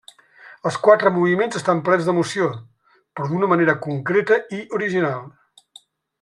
Els quatre moviments estan plens d'emoció, però d'una manera concreta i original.